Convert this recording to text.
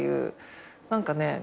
何かね